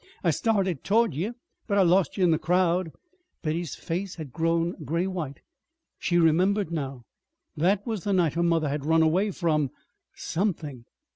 I started towards ye, but I lost ye in the crowd." Betty's face had grown gray white. She remembered now. That was the night her mother had run away from something.